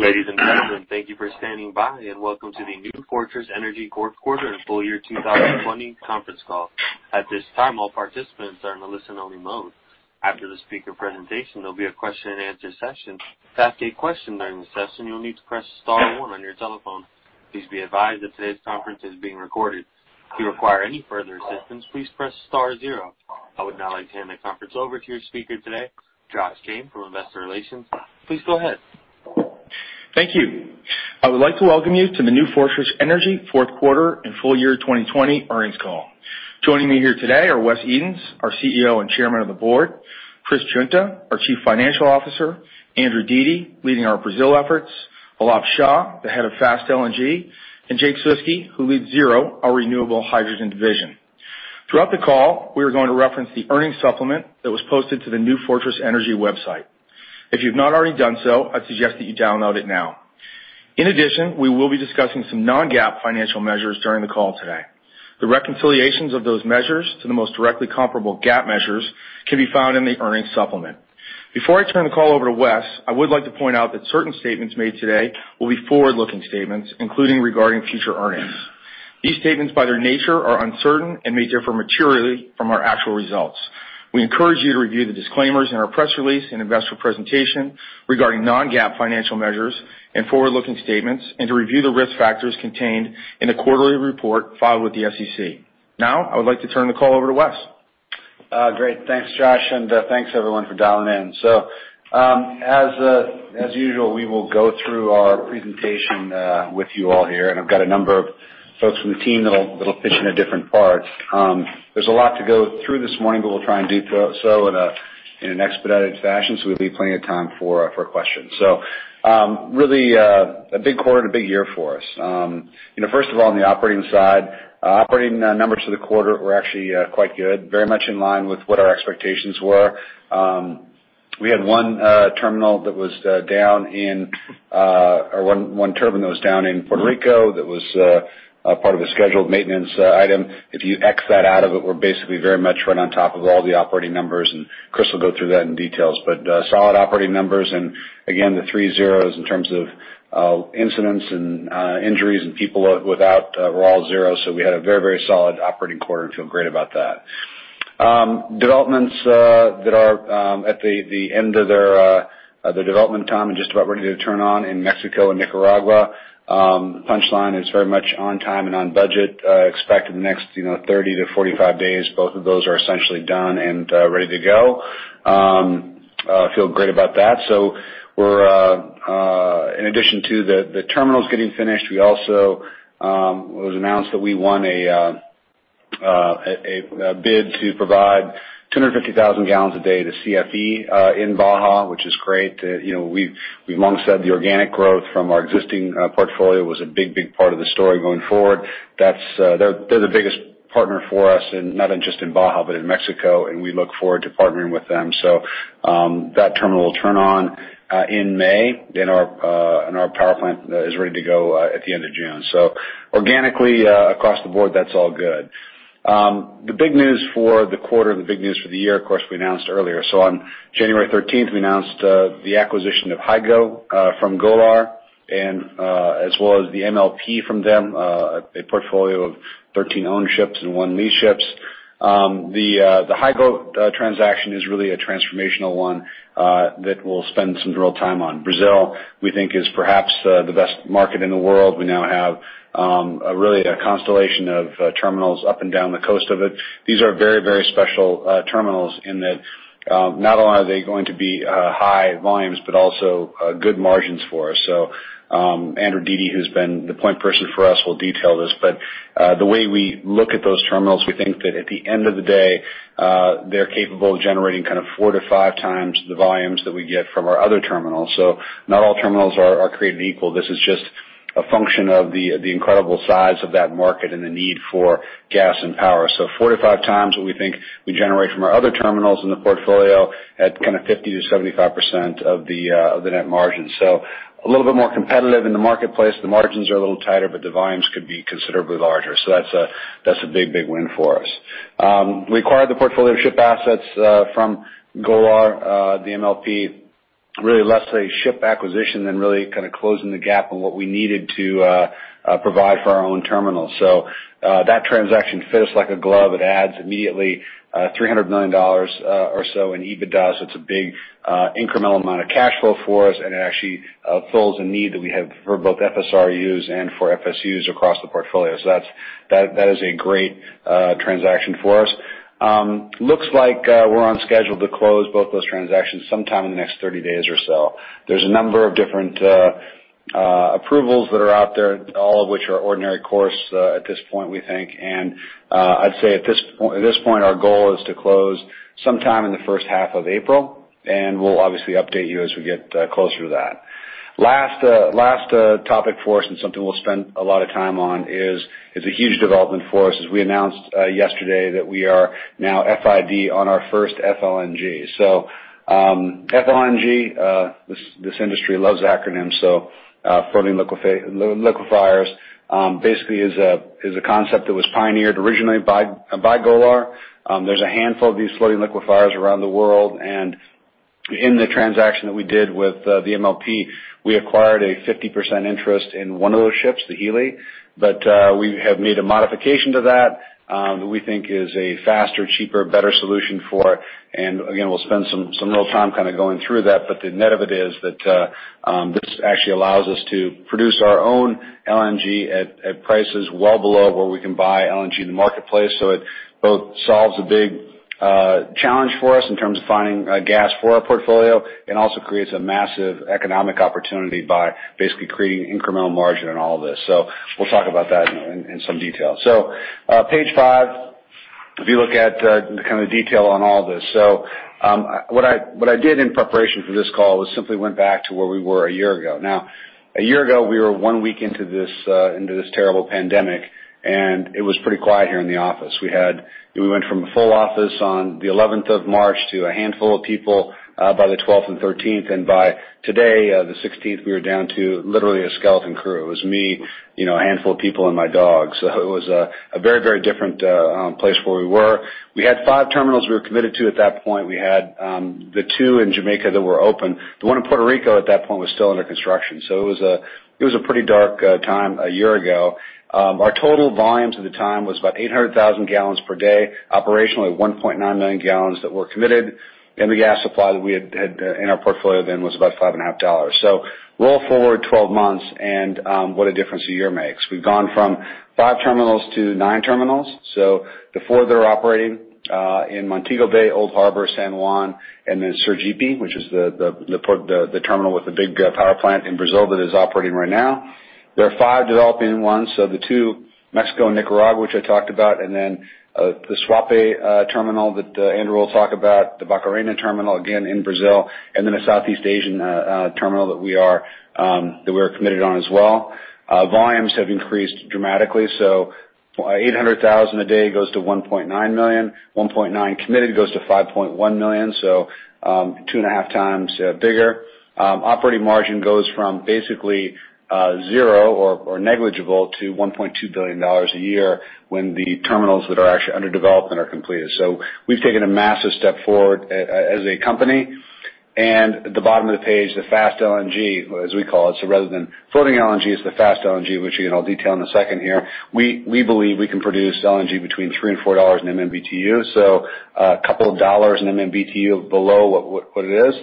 Ladies and gentlemen, thank you for standing by, and welcome to the New Fortress Energy fourth quarter and full year 2020 conference call. At this time, all participants are in a listen-only mode. After the speaker presentation, there'll be a question-and-answer session. To ask a question during the session, you'll need to press star one on your telephone. Please be advised that today's conference is being recorded. If you require any further assistance, please press star zero. I would now like to hand the conference over to your speaker today, Josh Kane from Investor Relations. Please go ahead. Thank you. I would like to welcome you to the New Fortress Energy fourth quarter and full year 2020 earnings call. Joining me here today are Wes Edens, our CEO and chairman of the board, Chris Guinta, our chief financial officer, Andrew Dete, leading our Brazil efforts, Alap Shah, the head of Fast LNG, and Jake Suski, who leads Zero, our renewable hydrogen division. Throughout the call, we are going to reference the earnings supplement that was posted to the New Fortress Energy website. If you've not already done so, I suggest that you download it now. In addition, we will be discussing some non-GAAP financial measures during the call today. The reconciliations of those measures to the most directly comparable GAAP measures can be found in the earnings supplement. Before I turn the call over to Wes, I would like to point out that certain statements made today will be forward-looking statements, including regarding future earnings. These statements, by their nature, are uncertain and may differ materially from our actual results. We encourage you to review the disclaimers in our press release and investor presentation regarding non-GAAP financial measures and forward-looking statements, and to review the risk factors contained in the quarterly report filed with the SEC. Now, I would like to turn the call over to Wes. Great. Thanks, Josh, and thanks everyone for dialing in. So, as usual, we will go through our presentation with you all here, and I've got a number of folks from the team that'll pitch in at different parts. There's a lot to go through this morning, but we'll try and do so in an expedited fashion, so we leave plenty of time for questions. So, really, a big quarter and a big year for us. First of all, on the operating side, operating numbers for the quarter were actually quite good, very much in line with what our expectations were. We had one terminal that was down, or one turbine that was down in Puerto Rico that was part of a scheduled maintenance item. If you X that out of it, we're basically very much right on top of all the operating numbers, and Chris will go through that in details, but solid operating numbers, and again, the three zeros in terms of incidents and injuries and people without were all zeros, so we had a very, very solid operating quarter and feel great about that. Developments that are at the end of their development time and just about ready to turn on in Mexico and Nicaragua. Punchline is very much on time and on budget. Expect in the next 30-45 days, both of those are essentially done and ready to go. Feel great about that, so in addition to the terminals getting finished, it was announced that we won a bid to provide 250,000 gallons a day to CFE in Baja, which is great. We've long said the organic growth from our existing portfolio was a big, big part of the story going forward. They're the biggest partner for us, not just in Baja but in Mexico, and we look forward to partnering with them. That terminal will turn on in May, and our power plant is ready to go at the end of June. Organically, across the board, that's all good. The big news for the quarter and the big news for the year, of course, we announced earlier. On January 13th, we announced the acquisition of Hygo from Golar, as well as the MLP from them, a portfolio of 13 ownerships and one leased ship. The Hygo transaction is really a transformational one that we'll spend some real time on. Brazil, we think, is perhaps the best market in the world. We now have really a constellation of terminals up and down the coast of it. These are very, very special terminals in that not only are they going to be high volumes, but also good margins for us. So, Andrew Dete, who's been the point person for us, will detail this. But the way we look at those terminals, we think that at the end of the day, they're capable of generating kind of four to five times the volumes that we get from our other terminals. So, not all terminals are created equal. This is just a function of the incredible size of that market and the need for gas and power. So, four to five times what we think we generate from our other terminals in the portfolio at kind of 50%-75% of the net margin. So, a little bit more competitive in the marketplace. The margins are a little tighter, but the volumes could be considerably larger. So, that's a big, big win for us. We acquired the portfolio of ship assets from Golar, the MLP. Really, less a ship acquisition than really kind of closing the gap on what we needed to provide for our own terminals. So, that transaction fits like a glove. It adds immediately $300 million or so in EBITDA, so it's a big incremental amount of cash flow for us, and it actually fills a need that we have for both FSRUs and for FSUs across the portfolio. So, that is a great transaction for us. Looks like we're on schedule to close both those transactions sometime in the next 30 days or so. There's a number of different approvals that are out there, all of which are ordinary course at this point, we think. I'd say at this point, our goal is to close sometime in the first half of April, and we'll obviously update you as we get closer to that. Last topic for us, and something we'll spend a lot of time on, is a huge development for us. We announced yesterday that we are now FID on our first FLNG. So, FLNG, this industry loves acronyms, so floating liquefiers, basically is a concept that was pioneered originally by Golar. There's a handful of these floating liquefiers around the world, and in the transaction that we did with the MLP, we acquired a 50% interest in one of those ships, the Hilli, but we have made a modification to that that we think is a faster, cheaper, better solution for. Again, we'll spend some real time kind of going through that, but the net of it is that this actually allows us to produce our own LNG at prices well below where we can buy LNG in the marketplace. It both solves a big challenge for us in terms of finding gas for our portfolio and also creates a massive economic opportunity by basically creating incremental margin in all of this. We'll talk about that in some detail. Page five, if you look at kind of the detail on all this. What I did in preparation for this call was simply went back to where we were a year ago. Now, a year ago, we were one week into this terrible pandemic, and it was pretty quiet here in the office. We went from a full office on the 11th of March to a handful of people by the 12th and 13th, and by today, the 16th, we were down to literally a skeleton crew. It was me, a handful of people, and my dog. So, it was a very, very different place where we were. We had five terminals we were committed to at that point. We had the two in Jamaica that were open. The one in Puerto Rico at that point was still under construction. So, it was a pretty dark time a year ago. Our total volumes at the time was about 800,000 gallons per day, operationally 1.9 million gallons that were committed, and the gas supply that we had in our portfolio then was about $5.50. So, roll forward 12 months and what a difference a year makes. We've gone from five terminals to nine terminals. The four that are operating in Montego Bay, Old Harbour, San Juan, and then Sergipe, which is the terminal with the big power plant in Brazil that is operating right now. There are five developing ones, so the two Mexico and Nicaragua, which I talked about, and then the Suape terminal that Andrew will talk about, the Barcarena terminal, again in Brazil, and then a Southeast Asian terminal that we are committed on as well. Volumes have increased dramatically. 800,000 a day goes to 1.9 million. 1.9 committed goes to 5.1 million, so two and a half times bigger. Operating margin goes from basically zero or negligible to $1.2 billion a year when the terminals that are actually underdeveloped and are completed. We've taken a massive step forward as a company. The bottom of the page, the Fast LNG, as we call it, so rather than floating LNG, it's the Fast LNG, which we'll detail in a second here. We believe we can produce LNG between $3-$4/MMBtu, so a couple of dollars in MMBtu below what it is.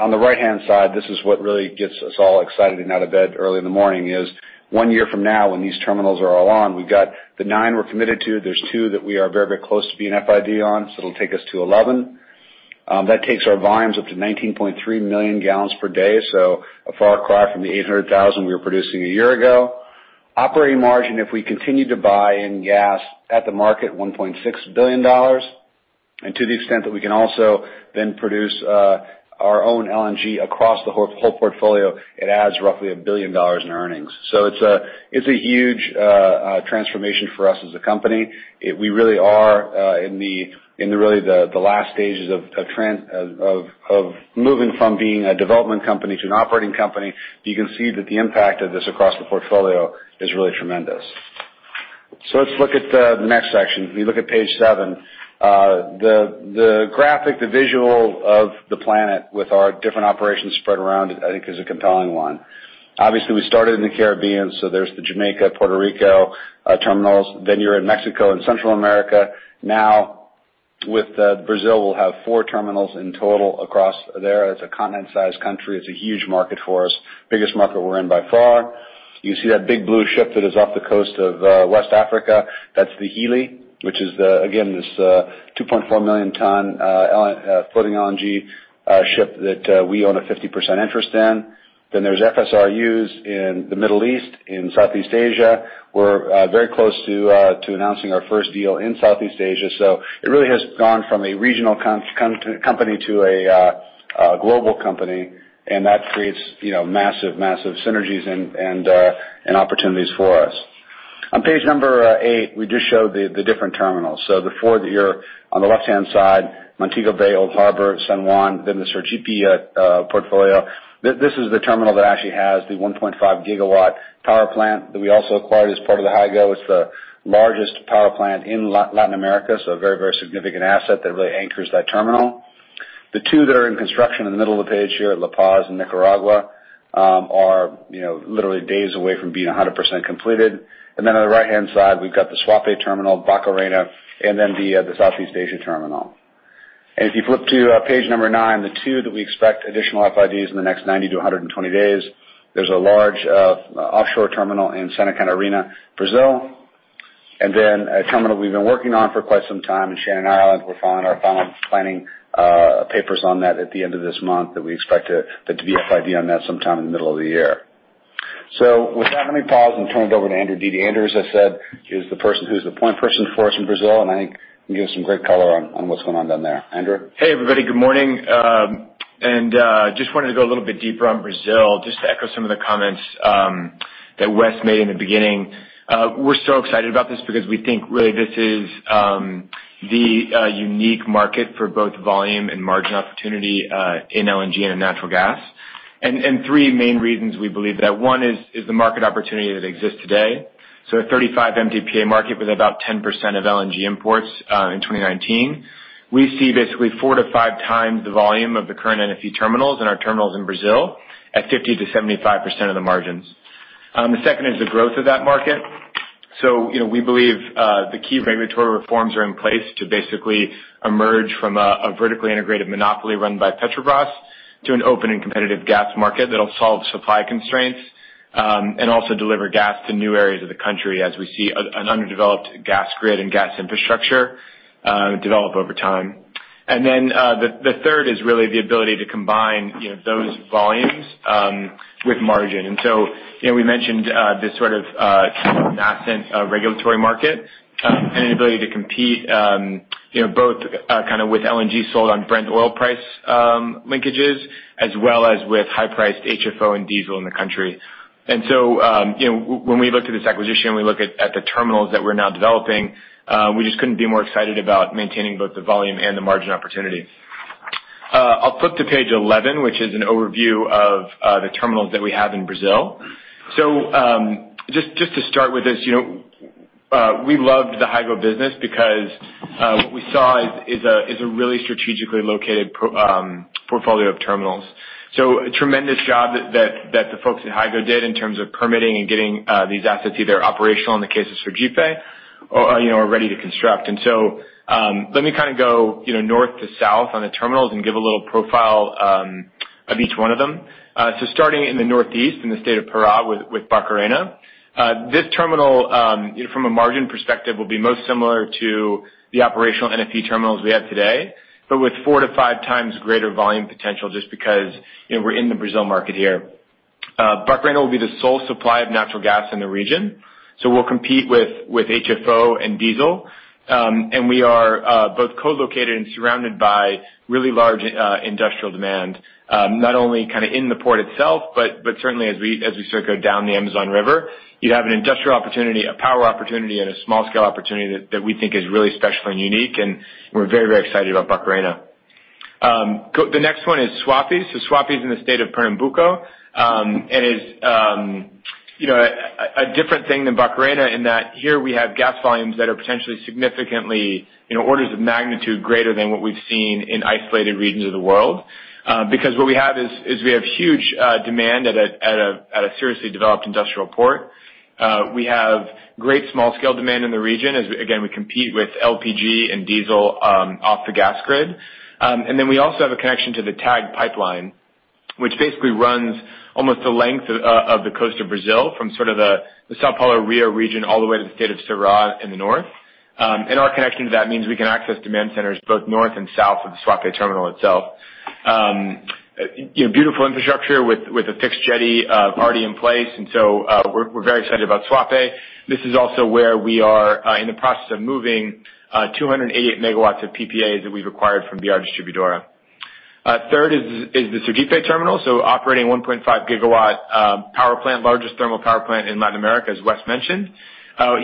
On the right-hand side, this is what really gets us all excited and out of bed early in the morning, is one year from now when these terminals are all on, we've got the nine we're committed to, there's two that we are very, very close to being FID on, so it'll take us to 11. That takes our volumes up to 19.3 million gallons per day, so a far cry from the 800,000 we were producing a year ago. Operating margin, if we continue to buy in gas at the market, $1.6 billion. To the extent that we can also then produce our own LNG across the whole portfolio, it adds roughly $1 billion in earnings. It's a huge transformation for us as a company. We really are in really the last stages of moving from being a development company to an operating company. You can see that the impact of this across the portfolio is really tremendous. Let's look at the next section. We look at page seven. The graphic, the visual of the planet with our different operations spread around, I think, is a compelling one. Obviously, we started in the Caribbean, so there's the Jamaica, Puerto Rico terminals, then you're in Mexico and Central America. Now, with Brazil, we'll have four terminals in total across there. It's a continent-sized country. It's a huge market for us, biggest market we're in by far. You see that big blue ship that is off the coast of West Africa. That's the Hilli, which is, again, this 2.4 million ton floating LNG ship that we own a 50% interest in. Then there's FSRUs in the Middle East, in Southeast Asia. We're very close to announcing our first deal in Southeast Asia. So, it really has gone from a regional company to a global company, and that creates massive, massive synergies and opportunities for us. On page number eight, we just showed the different terminals. So, the four that you're on the left-hand side, Montego Bay, Old Harbour, San Juan, then the Sergipe portfolio. This is the terminal that actually has the 1.5 GW power plant that we also acquired as part of the Hygo. It's the largest power plant in Latin America, so a very, very significant asset that really anchors that terminal. The two that are in construction in the middle of the page here, La Paz and Nicaragua, are literally days away from being 100% completed. And then on the right-hand side, we've got the Suape terminal, Barcarena, and then the Southeast Asia terminal. And if you flip to page number nine, the two that we expect additional FIDs in the next 90-120 days, there's a large offshore terminal in Santa Catarina, Brazil, and then a terminal we've been working on for quite some time in Shannon, Ireland. We're filing our final planning papers on that at the end of this month that we expect to be FID on that sometime in the middle of the year. So, with that, let me pause and turn it over to Andrew Dete. Andrew, as I said, is the person who's the point person for us in Brazil, and I think can give us some great color on what's going on down there. Andrew? Hey, everybody. Good morning, and just wanted to go a little bit deeper on Brazil, just to echo some of the comments that Wes made in the beginning. We're so excited about this because we think really this is the unique market for both volume and margin opportunity in LNG and in natural gas, and three main reasons we believe that. One is the market opportunity that exists today. So, a 35 MTPA market with about 10% of LNG imports in 2019. We see basically four to five times the volume of the current NFE terminals and our terminals in Brazil at 50%-75% of the margins. The second is the growth of that market. We believe the key regulatory reforms are in place to basically emerge from a vertically integrated monopoly run by Petrobras to an open and competitive gas market that'll solve supply constraints and also deliver gas to new areas of the country as we see an underdeveloped gas grid and gas infrastructure develop over time. The third is really the ability to combine those volumes with margin. We mentioned this sort of massive regulatory market and an ability to compete both kind of with LNG sold on Brent oil price linkages as well as with high-priced HFO and diesel in the country. When we looked at this acquisition, we looked at the terminals that we're now developing. We just couldn't be more excited about maintaining both the volume and the margin opportunity. I'll flip to page 11, which is an overview of the terminals that we have in Brazil. So, just to start with this, we loved the Hygo business because what we saw is a really strategically located portfolio of terminals. So, a tremendous job that the folks at Hygo did in terms of permitting and getting these assets either operational in the case of Sergipe or ready to construct. And so, let me kind of go north to south on the terminals and give a little profile of each one of them. So, starting in the northeast in the state of Pará with Barcarena, this terminal, from a margin perspective, will be most similar to the operational NFE terminals we have today, but with four to five times greater volume potential just because we're in the Brazil market here. Barcarena will be the sole supply of natural gas in the region, so we'll compete with HFO and diesel, and we are both co-located and surrounded by really large industrial demand, not only kind of in the port itself, but certainly as we circle down the Amazon River, you have an industrial opportunity, a power opportunity, and a small-scale opportunity that we think is really special and unique, and we're very, very excited about Barcarena. The next one is Suape, so Suape is in the state of Pernambuco and is a different thing than Barcarena in that here we have gas volumes that are potentially significantly orders of magnitude greater than what we've seen in isolated regions of the world. Because what we have is we have huge demand at a seriously developed industrial port. We have great small-scale demand in the region as, again, we compete with LPG and diesel off the gas grid. And then we also have a connection to the TAG pipeline, which basically runs almost the length of the coast of Brazil from sort of the São Paulo-Rio region all the way to the state of Ceará in the north. And our connection to that means we can access demand centers both north and south of the Suape terminal itself. Beautiful infrastructure with a fixed jetty already in place, and so we're very excited about Suape. This is also where we are in the process of moving 288 MW of PPAs that we've acquired from BR Distribuidora. Third is the Sergipe terminal. so, operating 1.5 GW power plant, largest thermal power plant in Latin America, as Wes mentioned.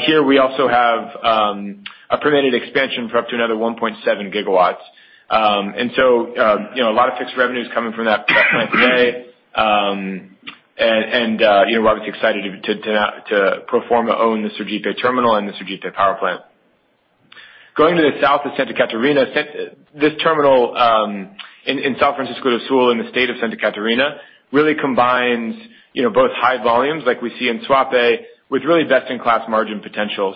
Here we also have a permitted expansion for up to another 1.7 GW, and so a lot of fixed revenues coming from that plant today, and we're obviously excited to perform our own Sergipe terminal and the Sergipe power plant. Going to the south of Santa Catarina, this terminal in São Francisco do Sul in the state of Santa Catarina really combines both high volumes like we see in Suape with really best-in-class margin potential.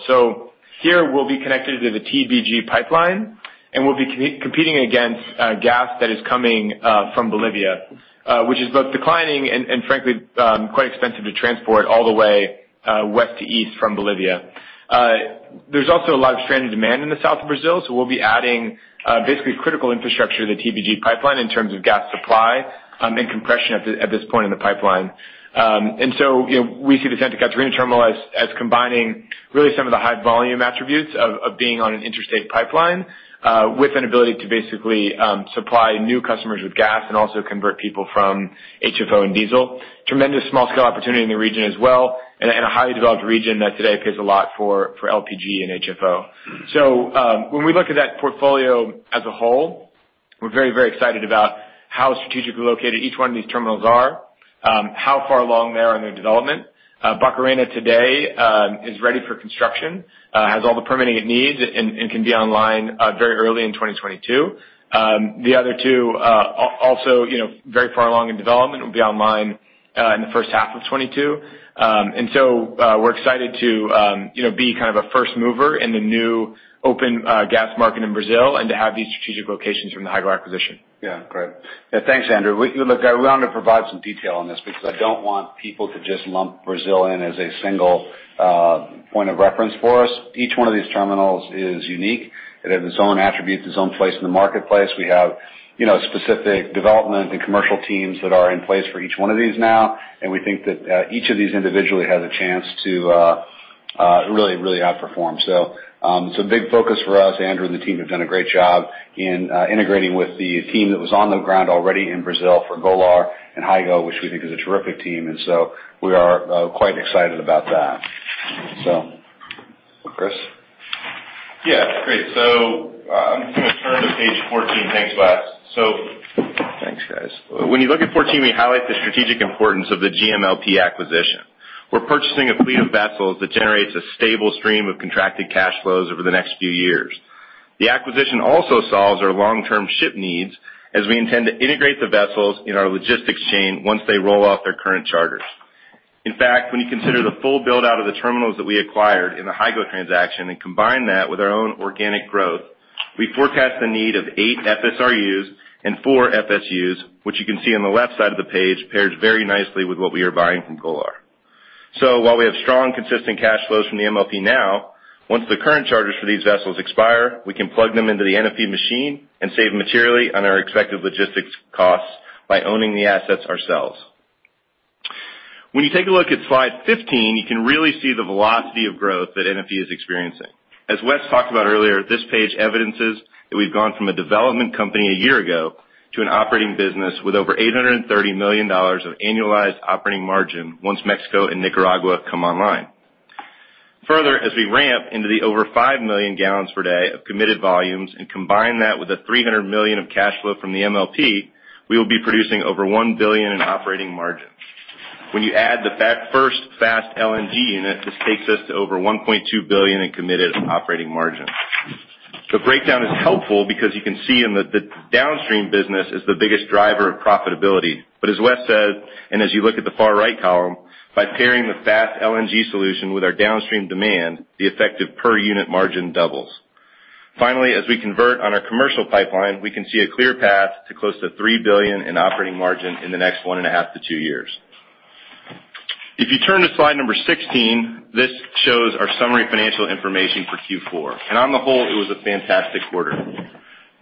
Here we'll be connected to the TBG pipeline, and we'll be competing against gas that is coming from Bolivia, which is both declining and, frankly, quite expensive to transport all the way west to east from Bolivia. There's also a lot of stranded demand in the south of Brazil, so we'll be adding basically critical infrastructure to the TBG pipeline in terms of gas supply and compression at this point in the pipeline. And so, we see the Santa Catarina terminal as combining really some of the high volume attributes of being on an interstate pipeline with an ability to basically supply new customers with gas and also convert people from HFO and diesel. Tremendous small-scale opportunity in the region as well, and a highly developed region that today pays a lot for LPG and HFO. So, when we look at that portfolio as a whole, we're very, very excited about how strategically located each one of these terminals are, how far along they are in their development. Barcarena today is ready for construction, has all the permitting it needs, and can be online very early in 2022. The other two also very far along in development will be online in the first half of 2022. And so, we're excited to be kind of a first mover in the new open gas market in Brazil and to have these strategic locations from the Hygo acquisition. Yeah. Great. Yeah. Thanks, Andrew. Look, I want to provide some detail on this because I don't want people to just lump Brazil in as a single point of reference for us. Each one of these terminals is unique. It has its own attributes, its own place in the marketplace. We have specific development and commercial teams that are in place for each one of these now, and we think that each of these individually has a chance to really, really outperform. So, it's a big focus for us. Andrew and the team have done a great job in integrating with the team that was on the ground already in Brazil for Golar and Hygo, which we think is a terrific team. And so, we are quite excited about that. So, Chris? Yeah. Great. So, I'm going to turn to page 14. Thanks, Wes. So. Thanks, guys. When you look at 14, we highlight the strategic importance of the GMLP acquisition. We're purchasing a fleet of vessels that generates a stable stream of contracted cash flows over the next few years. The acquisition also solves our long-term ship needs as we intend to integrate the vessels in our logistics chain once they roll off their current charters. In fact, when you consider the full build-out of the terminals that we acquired in the Hygo transaction and combine that with our own organic growth, we forecast the need of eight FSRUs and four FSUs, which you can see on the left side of the page, pairs very nicely with what we are buying from Golar. So, while we have strong, consistent cash flows from the MLP now, once the current charges for these vessels expire, we can plug them into the NFE machine and save materially on our expected logistics costs by owning the assets ourselves. When you take a look at slide 15, you can really see the velocity of growth that NFE is experiencing. As Wes talked about earlier, this page evidences that we've gone from a development company a year ago to an operating business with over $830 million of annualized operating margin once Mexico and Nicaragua come online. Further, as we ramp into the over 5 million gallons per day of committed volumes and combine that with the $300 million of cash flow from the MLP, we will be producing over $1 billion in operating margin. When you add the first Fast LNG unit, this takes us to over $1.2 billion in committed operating margin. The breakdown is helpful because you can see in that the downstream business is the biggest driver of profitability, but as Wes said, and as you look at the far right column, by pairing the Fast LNG solution with our downstream demand, the effective per unit margin doubles. Finally, as we convert on our commercial pipeline, we can see a clear path to close to $3 billion in operating margin in the next one and a half to two years. If you turn to slide 16, this shows our summary financial information for Q4, and on the whole, it was a fantastic quarter.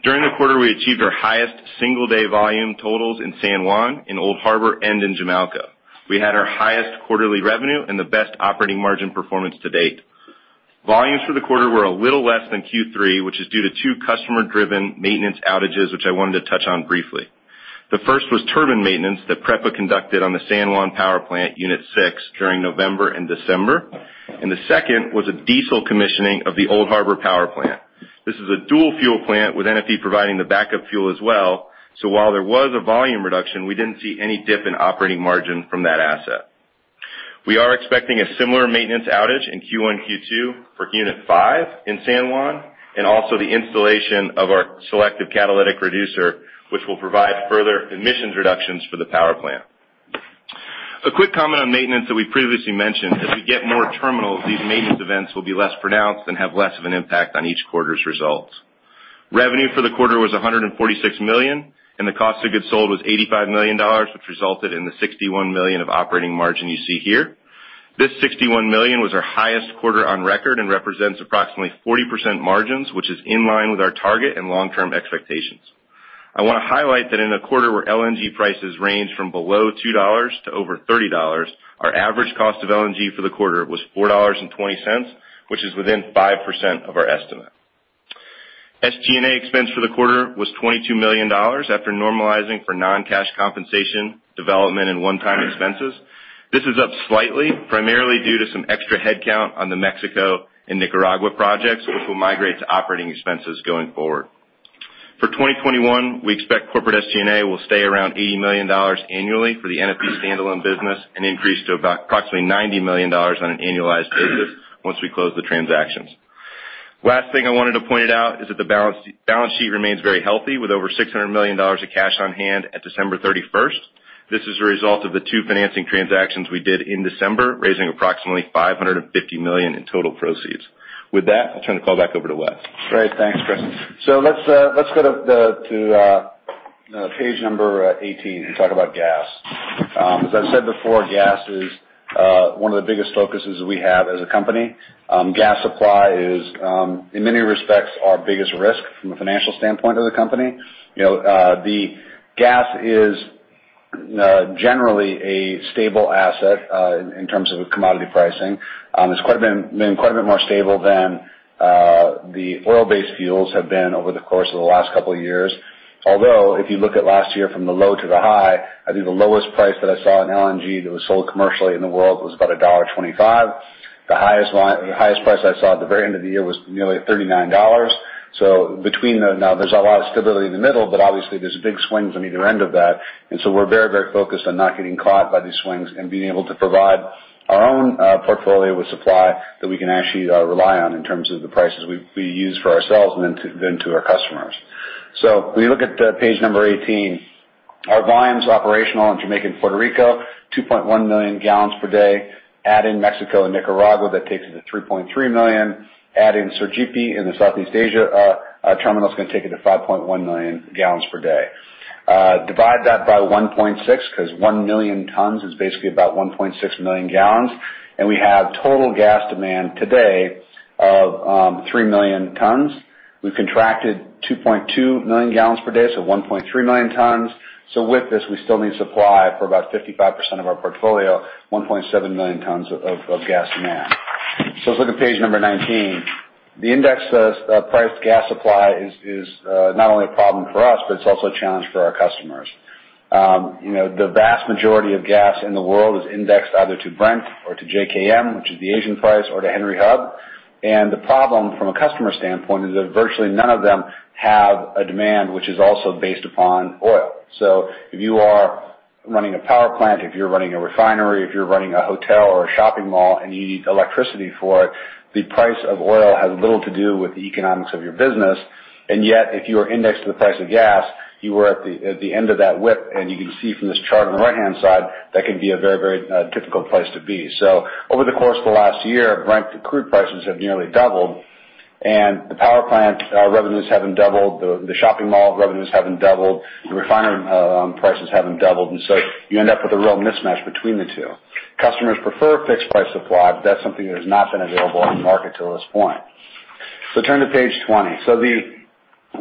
During the quarter, we achieved our highest single-day volume totals in San Juan, in Old Harbour, and in Jamaica. We had our highest quarterly revenue and the best operating margin performance to date. Volumes for the quarter were a little less than Q3, which is due to two customer-driven maintenance outages, which I wanted to touch on briefly. The first was turbine maintenance that PREPA conducted on the San Juan power plant, Unit 6, during November and December. And the second was a diesel commissioning of the Old Harbour power plant. This is a dual-fuel plant with NFE providing the backup fuel as well. So, while there was a volume reduction, we didn't see any dip in operating margin from that asset. We are expecting a similar maintenance outage in Q1, Q2 for Unit 5 in San Juan and also the installation of our selective catalytic reducer, which will provide further emissions reductions for the power plant. A quick comment on maintenance that we previously mentioned, as we get more terminals, these maintenance events will be less pronounced and have less of an impact on each quarter's results. Revenue for the quarter was $146 million, and the cost of goods sold was $85 million, which resulted in the $61 million of operating margin you see here. This $61 million was our highest quarter on record and represents approximately 40% margins, which is in line with our target and long-term expectations. I want to highlight that in a quarter where LNG prices ranged from below $2 to over $30, our average cost of LNG for the quarter was $4.20, which is within 5% of our estimate. SG&A expense for the quarter was $22 million after normalizing for non-cash compensation, development, and one-time expenses. This is up slightly, primarily due to some extra headcount on the Mexico and Nicaragua projects, which will migrate to operating expenses going forward. For 2021, we expect corporate SG&A will stay around $80 million annually for the NFE standalone business and increase to approximately $90 million on an annualized basis once we close the transactions. Last thing I wanted to point out is that the balance sheet remains very healthy with over $600 million of cash on hand at December 31st. This is a result of the two financing transactions we did in December, raising approximately $550 million in total proceeds. With that, I'll turn the call back over to Wes. Great. Thanks, Chris. So, let's go to page number 18 and talk about gas. As I said before, gas is one of the biggest focuses we have as a company. Gas supply is, in many respects, our biggest risk from a financial standpoint of the company. The gas is generally a stable asset in terms of commodity pricing. It's been quite a bit more stable than the oil-based fuels have been over the course of the last couple of years. Although, if you look at last year from the low to the high, I think the lowest price that I saw in LNG that was sold commercially in the world was about $1.25. The highest price I saw at the very end of the year was nearly $39. So, between those, now, there's a lot of stability in the middle, but obviously, there's big swings on either end of that. And so, we're very, very focused on not getting caught by these swings and being able to provide our own portfolio with supply that we can actually rely on in terms of the prices we use for ourselves and then to our customers. So, when you look at page number 18, our volumes operational in Jamaica and Puerto Rico, 2.1 million gallons per day. Add in Mexico and Nicaragua, that takes it to 3.3 million. Add in Sergipe in the Southeast Asia terminal, it's going to take it to 5.1 million gallons per day. Divide that by 1.6 because one million tons is basically about 1.6 million gallons. And we have total gas demand today of three million tons. We've contracted 2.2 million gallons per day, so 1.3 million tons. So, with this, we still need supply for about 55% of our portfolio, 1.7 million tons of gas demand. So, let's look at page number 19. The indexed price gas supply is not only a problem for us, but it's also a challenge for our customers. The vast majority of gas in the world is indexed either to Brent or to JKM, which is the Asian price, or to Henry Hub. And the problem from a customer standpoint is that virtually none of them have a demand, which is also based upon oil. So, if you are running a power plant, if you're running a refinery, if you're running a hotel or a shopping mall, and you need electricity for it, the price of oil has little to do with the economics of your business. And yet, if you are indexed to the price of gas, you are at the end of that whip. You can see from this chart on the right-hand side that can be a very, very difficult place to be. Over the course of the last year, Brent Crude prices have nearly doubled , and the power plant revenues haven't doubled, the shopping mall revenues haven't doubled, the refinery prices haven't doubled. You end up with a real mismatch between the two. Customers prefer fixed price supply, but that's something that has not been available on the market till this point. Turn to page 20.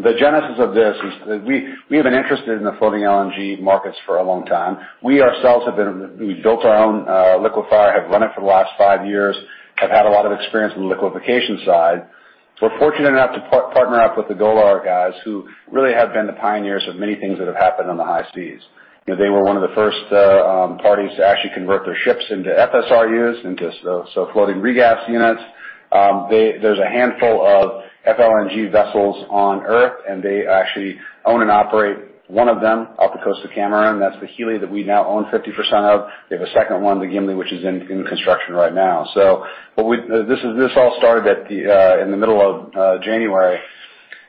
The genesis of this is that we have been interested in the floating LNG markets for a long time. We ourselves built our own liquefier, have run it for the last five years, have had a lot of experience on the liquefaction side. We're fortunate enough to partner up with the Golar guys, who really have been the pioneers of many things that have happened on the high seas. They were one of the first parties to actually convert their ships into FSRUs, into floating regas units. There's a handful of FLNG vessels on Earth, and they actually own and operate one of them off the coast of Cameroon. That's the Hilli that we now own 50% of. They have a second one, the Gimi, which is in construction right now. So, this all started in the middle of January.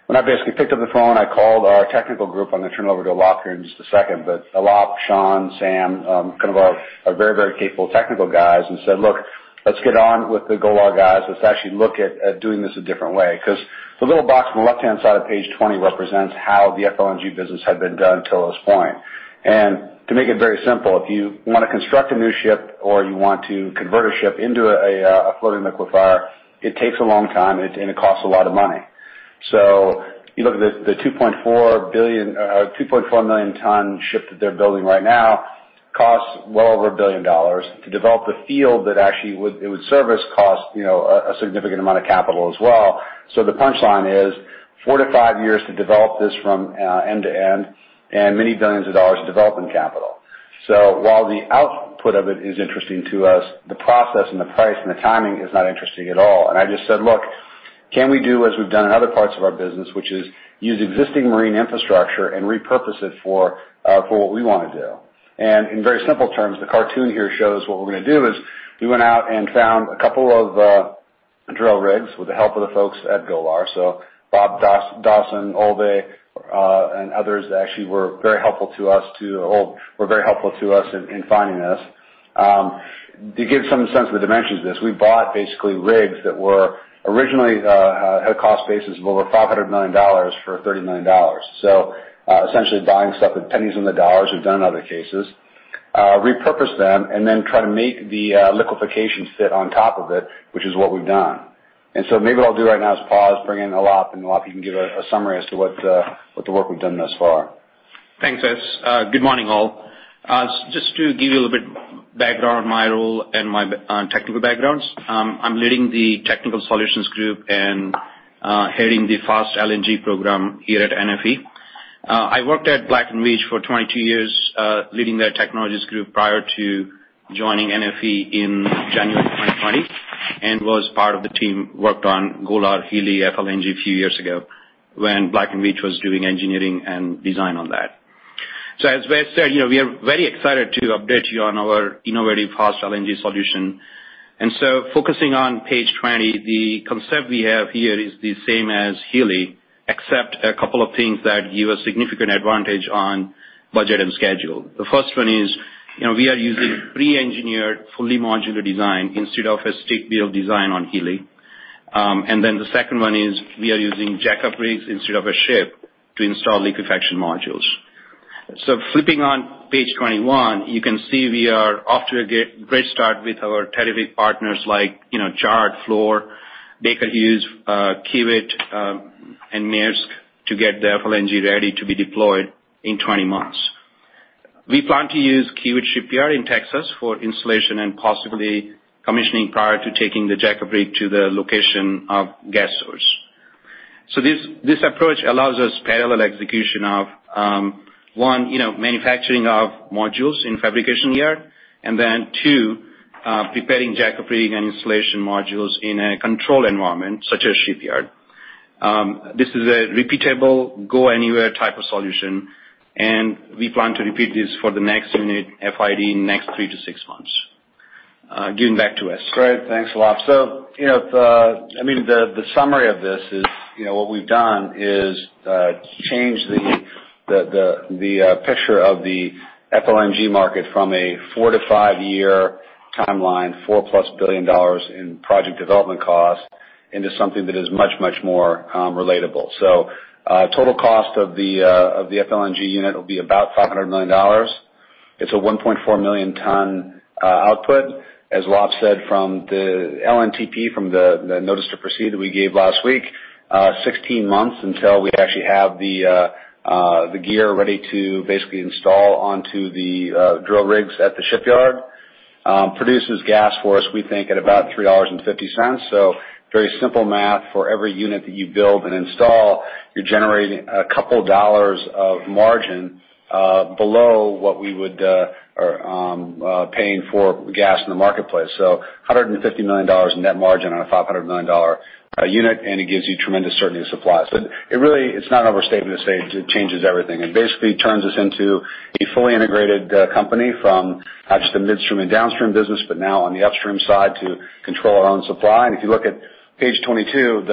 When I basically picked up the phone, I called our technical group. I'm going to turn it over to Alap in just a second. But Alap, Sean, Sam, kind of our very, very capable technical guys, and said, "Look, let's get on with the Golar guys. Let's actually look at doing this a different way," because the little box on the left-hand side of page 20 represents how the FLNG business had been done till this point. And to make it very simple, if you want to construct a new ship or you want to convert a ship into a floating liquefier, it takes a long time, and it costs a lot of money. So, you look at the 2.4-million-ton ship that they're building right now. It costs well over $1 billion. To develop the field that it would actually service costs a significant amount of capital as well. So, the punchline is four-five years to develop this from end to end and many billions of dollars in development capital. While the output of it is interesting to us, the process and the price and the timing is not interesting at all. I just said, "Look, can we do as we've done in other parts of our business, which is use existing marine infrastructure and repurpose it for what we want to do?" In very simple terms, the cartoon here shows what we're going to do is we went out and found a couple of drill rigs with the help of the folks at Golar. [Jeremy Dawson], and they, and others actually were very helpful to us in finding this. To give some sense of the dimensions of this, we bought basically rigs that originally had a cost basis of over $500 million for $30 million. So, essentially buying stuff at pennies in the dollars we've done in other cases, repurposed them, and then try to make the liquefaction fit on top of it, which is what we've done. And so, maybe what I'll do right now is pause, bring in Alap, and Alap, you can give a summary as to what the work we've done thus far. Thanks, Wes. Good morning, all. Just to give you a little bit of background on my role and my technical backgrounds, I'm leading the technical solutions group and heading the Fast LNG program here at NFE. I worked at Black & Veatch for 22 years, leading their technologies group prior to joining NFE in January 2020 and was part of the team who worked on Golar, Hilli Episeyo FLNG a few years ago when Black & Veatch was doing engineering and design on that. So, as Wes said, we are very excited to update you on our innovative Fast LNG solution. And so, focusing on page 20, the concept we have here is the same as Hilli Episeyo, except a couple of things that give us significant advantage on budget and schedule. The first one is we are using pre-engineered fully modular design instead of a stick-built design on Hilli Episeyo. And then the second one is we are using jack-up rigs instead of a ship to install liquefaction modules. So, flipping on page 21, you can see we are off to a great start with our terrific partners like Chart, Fluor, Baker Hughes, Kiewit, and Maersk to get the FLNG ready to be deployed in 20 months. We plan to use Kiewit Shipyard in Texas for installation and possibly commissioning prior to taking the jack-up rig to the location of gas source. So, this approach allows us parallel execution of, one, manufacturing of modules in fabrication yards, and then, two, preparing jack-up rig and installation modules in a controlled environment such as shipyard. This is a repeatable, go-anywhere type of solution, and we plan to repeat this for the next unit, FID, in the next three-six months. Getting back to Wes. Great. Thanks, Alap. So, I mean, the summary of this is what we've done is change the picture of the FLNG market from a four-five-year timeline, $4+ billion dollars in project development cost, into something that is much, much more relatable. So, total cost of the FLNG unit will be about $500 million. It's a 1.4 million ton output. As Alap said, from the LNTP, from the notice to proceed that we gave last week, 16 months until we actually have the gear ready to basically install onto the drill rigs at the shipyard, produces gas for us, we think, at about $3.50. So, very simple math. For every unit that you build and install, you're generating a couple of dollars of margin below what we would be paying for gas in the marketplace. $150 million net margin on a $500 million unit, and it gives you tremendous certainty of supply. It really is not an overstatement to say it changes everything and basically turns us into a fully integrated company from just a midstream and downstream business, but now on the upstream side to control our own supply. If you look at page 22,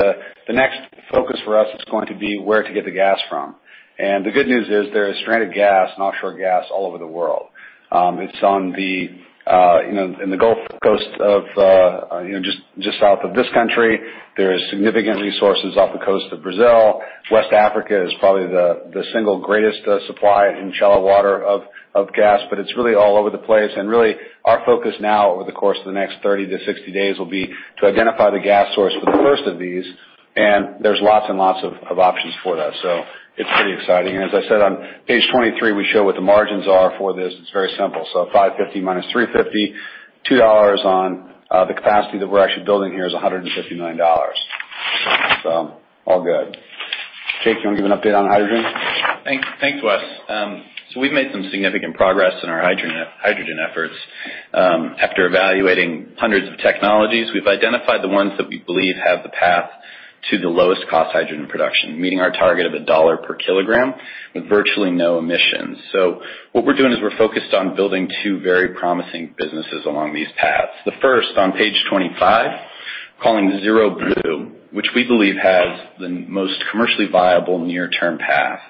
the next focus for us is going to be where to get the gas from. The good news is there is stranded gas and offshore gas all over the world. It's on the Gulf Coast, just south of this country. There are significant resources off the coast of Brazil. West Africa is probably the single greatest supply in shallow water of gas, but it's really all over the place. Really, our focus now over the course of the next 30-60 days will be to identify the gas source for the first of these, and there's lots and lots of options for that. It's pretty exciting. As I said, on page 23, we show what the margins are for this. It's very simple. 550-350, $2 on the capacity that we're actually building here is $150 million. All good. Jake, do you want to give an update on hydrogen? Thanks, Wes. So, we've made some significant progress in our hydrogen efforts. After evaluating hundreds of technologies, we've identified the ones that we believe have the path to the lowest cost hydrogen production, meeting our target of $1 per kg with virtually no emissions. So, what we're doing is we're focused on building two very promising businesses along these paths. The first, on page 25, calling Zero Blue, which we believe has the most commercially viable near-term path.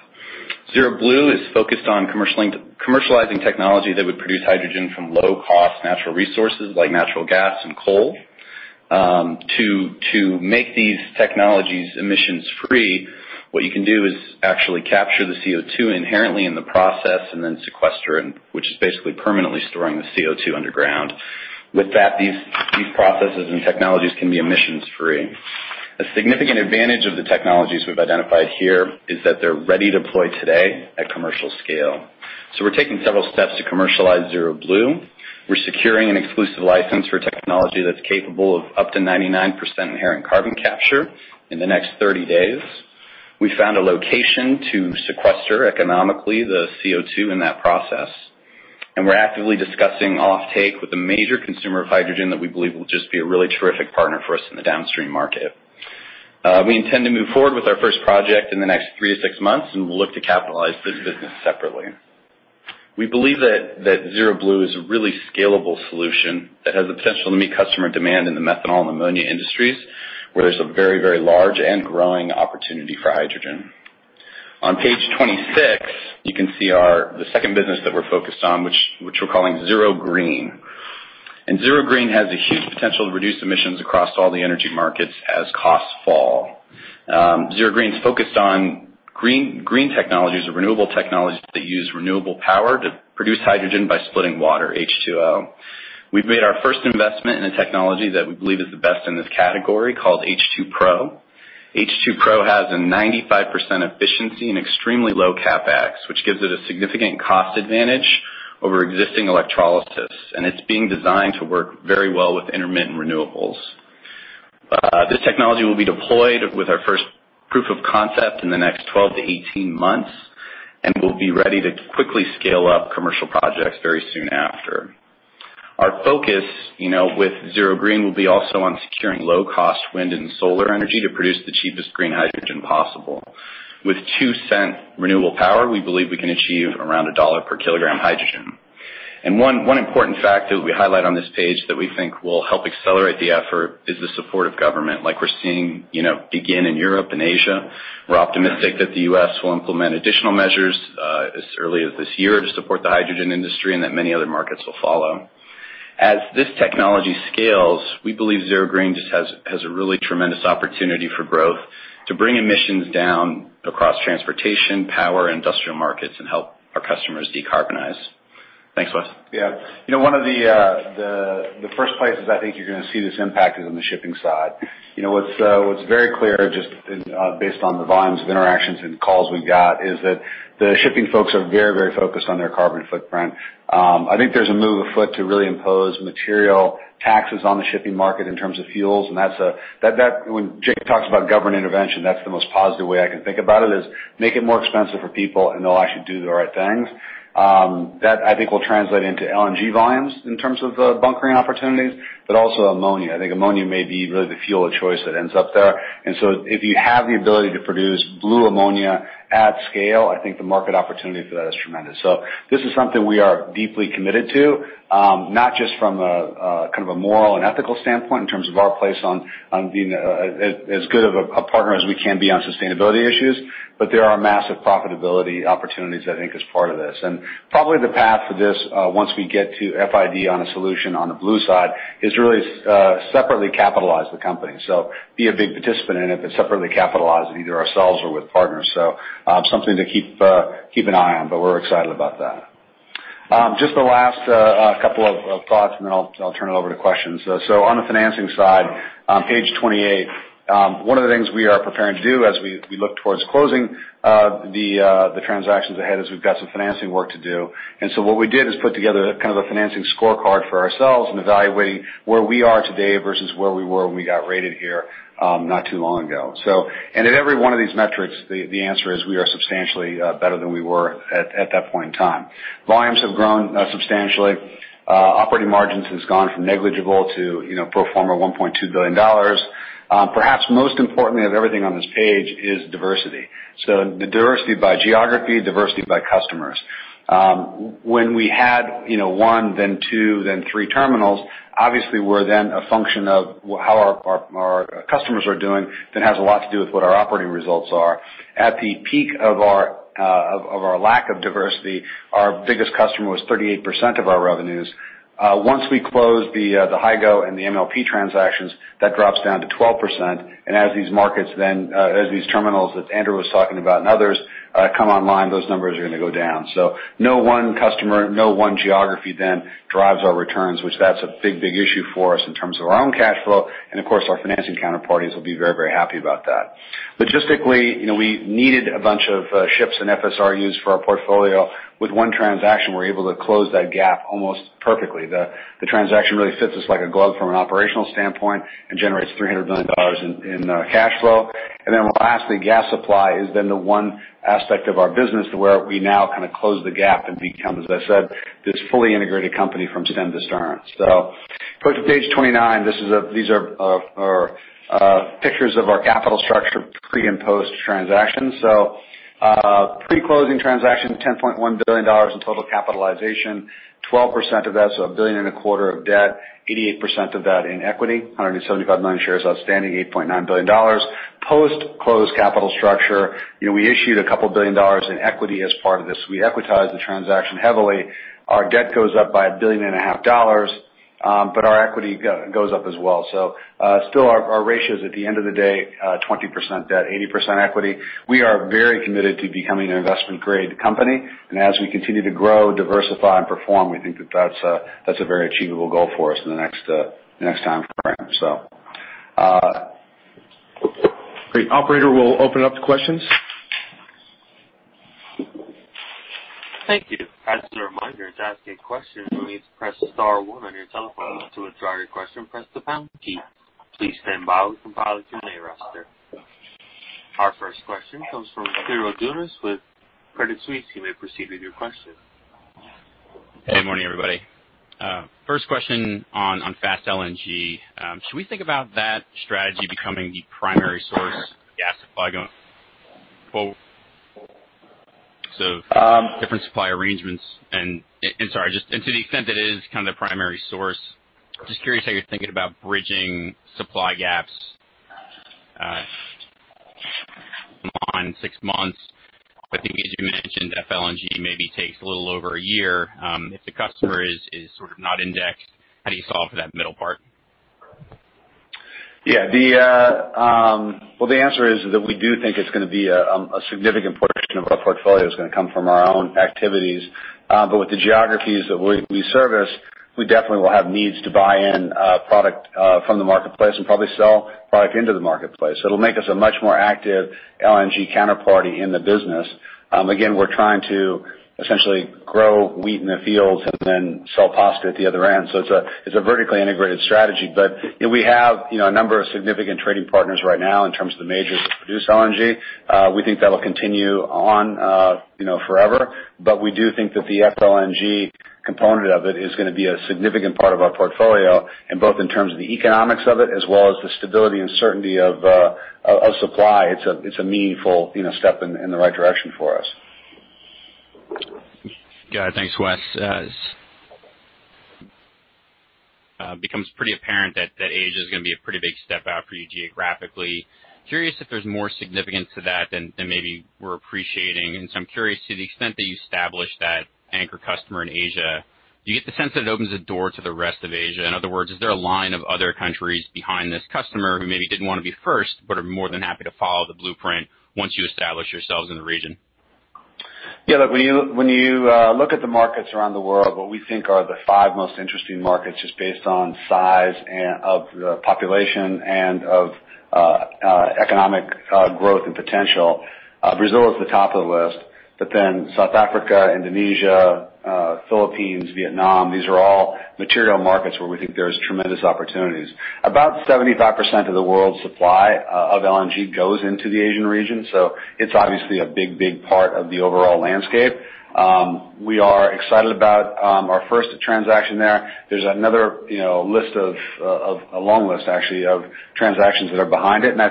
Zero Blue is focused on commercializing technology that would produce hydrogen from low-cost natural resources like natural gas and coal. To make these technologies emissions-free, what you can do is actually capture the CO2 inherently in the process and then sequester it, which is basically permanently storing the CO2 underground. With that, these processes and technologies can be emissions-free. A significant advantage of the technologies we've identified here is that they're ready to deploy today at commercial scale. So, we're taking several steps to commercialize Zero Blue. We're securing an exclusive license for technology that's capable of up to 99% inherent carbon capture in the next 30 days. We found a location to sequester economically the CO2 in that process, and we're actively discussing offtake with a major consumer of hydrogen that we believe will just be a really terrific partner for us in the downstream market. We intend to move forward with our first project in the next three-six months, and we'll look to capitalize this business separately. We believe that Zero Blue is a really scalable solution that has the potential to meet customer demand in the methanol and ammonia industries, where there's a very, very large and growing opportunity for hydrogen. On page 26, you can see the second business that we're focused on, which we're calling Zero Green. Zero Green has a huge potential to reduce emissions across all the energy markets as costs fall. Zero Green is focused on green technologies, renewable technologies that use renewable power to produce hydrogen by splitting water, H2O. We've made our first investment in a technology that we believe is the best in this category called H2Pro. H2Pro has a 95% efficiency and extremely low CapEx, which gives it a significant cost advantage over existing electrolysis. It's being designed to work very well with intermittent renewables. This technology will be deployed with our first proof of concept in the next 12-18 months, and we'll be ready to quickly scale up commercial projects very soon after. Our focus with Zero Green will be also on securing low-cost wind and solar energy to produce the cheapest green hydrogen possible. With $0.02 renewable power, we believe we can achieve around $1 per k hydrogen. One important factor we highlight on this page that we think will help accelerate the effort is the support of government, like we're seeing begin in Europe and Asia. We're optimistic that the U.S. will implement additional measures as early as this year to support the hydrogen industry and that many other markets will follow. As this technology scales, we believe Zero Green just has a really tremendous opportunity for growth to bring emissions down across transportation, power, and industrial markets and help our customers decarbonize. Thanks, Wes. Yeah. One of the first places I think you're going to see this impact is on the shipping side. What's very clear, just based on the volumes of interactions and calls we've got, is that the shipping folks are very, very focused on their carbon footprint. I think there's a move afoot to really impose material taxes on the shipping market in terms of fuels. And when Jake talks about government intervention, that's the most positive way I can think about it is make it more expensive for people, and they'll actually do the right things. That I think will translate into LNG volumes in terms of bunkering opportunities, but also ammonia. I think ammonia may be really the fuel of choice that ends up there. And so, if you have the ability to produce blue ammonia at scale, I think the market opportunity for that is tremendous. This is something we are deeply committed to, not just from a kind of a moral and ethical standpoint in terms of our place on being as good of a partner as we can be on sustainability issues, but there are massive profitability opportunities I think as part of this. And probably the path for this, once we get to FID on a solution on the blue side, is really separately capitalize the company. So, be a big participant in it, but separately capitalize it either ourselves or with partners. So, something to keep an eye on, but we're excited about that. Just the last couple of thoughts, and then I'll turn it over to questions. So, on the financing side, on page 28, one of the things we are preparing to do as we look towards closing the transactions ahead is we've got some financing work to do. What we did is put together kind of a financing scorecard for ourselves and evaluating where we are today versus where we were when we got rated here not too long ago. At every one of these metrics, the answer is we are substantially better than we were at that point in time. Volumes have grown substantially. Operating margins have gone from negligible to pro forma $1.2 billion. Perhaps most importantly of everything on this page is diversity. The diversity by geography, diversity by customers. When we had one, then two, then three terminals, obviously we're then a function of how our customers are doing, then has a lot to do with what our operating results are. At the peak of our lack of diversity, our biggest customer was 38% of our revenues. Once we close the Hygo and the MLP transactions, that drops down to 12%. And as these markets then, as these terminals that Andrew was talking about and others come online, those numbers are going to go down. So, no one customer, no one geography then drives our returns, which that's a big, big issue for us in terms of our own cash flow. And of course, our financing counterparties will be very, very happy about that. Logistically, we needed a bunch of ships and FSRUs for our portfolio. With one transaction, we're able to close that gap almost perfectly. The transaction really fits us like a glove from an operational standpoint and generates $300 million in cash flow. And then lastly, gas supply is then the one aspect of our business where we now kind of close the gap and become, as I said, this fully integrated company from stem to stern. So, go to page 29. These are pictures of our capital structure pre and post transactions. So, pre-closing transaction, $10.1 billion in total capitalization, 12% of that, so $1.25 billion of debt, 88% of that in equity, 175 million shares outstanding, $8.9 billion. Post-closing capital structure, we issued a couple of billion dollars in equity as part of this. We equitized the transaction heavily. Our debt goes up by $1.5 billion, but our equity goes up as well. So, still our ratio is at the end of the day, 20% debt, 80% equity. We are very committed to becoming an investment-grade company. And as we continue to grow, diversify, and perform, we think that that's a very achievable goal for us in the next time frame. So, great. Operator, we'll open it up to questions. Thank you. As a reminder, to ask a question, you need to press star one on your telephone. To withdraw your question, press the pound key. Please stand by while we compile a Q&A roster. Our first question comes from Spiro Dounis with Credit Suisse. He may proceed with your question. Hey, morning, everybody. First question on Fast LNG. Should we think about that strategy becoming the primary source of gas supply going forward? So, different supply arrangements and, sorry, just, and to the extent that it is kind of the primary source, just curious how you're thinking about bridging supply gaps in six months. I think, as you mentioned, FLNG maybe takes a little over a year. If the customer is sort of not indexed, how do you solve for that middle part? Yeah. Well, the answer is that we do think it's going to be a significant portion of our portfolio is going to come from our own activities. But with the geographies that we service, we definitely will have needs to buy in product from the marketplace and probably sell product into the marketplace. It'll make us a much more active LNG counterparty in the business. Again, we're trying to essentially grow wheat in the fields and then sell pasta at the other end. So, it's a vertically integrated strategy. But we have a number of significant trading partners right now in terms of the majors that produce LNG. We think that'll continue on forever. We do think that the FLNG component of it is going to be a significant part of our portfolio, both in terms of the economics of it as well as the stability and certainty of supply. It's a meaningful step in the right direction for us. Got it. Thanks, Wes. It becomes pretty apparent that Asia is going to be a pretty big step out for you geographically. Curious if there's more significance to that than maybe we're appreciating, and so, I'm curious, to the extent that you establish that anchor customer in Asia, do you get the sense that it opens a door to the rest of Asia? In other words, is there a line of other countries behind this customer who maybe didn't want to be first but are more than happy to follow the blueprint once you establish yourselves in the region? Yeah. When you look at the markets around the world, what we think are the five most interesting markets just based on size of the population and of economic growth and potential, Brazil is the top of the list. But then South Africa, Indonesia, Philippines, Vietnam, these are all material markets where we think there's tremendous opportunities. About 75% of the world's supply of LNG goes into the Asian region. So, it's obviously a big, big part of the overall landscape. We are excited about our first transaction there. There's another list of a long list, actually, of transactions that are behind it. And I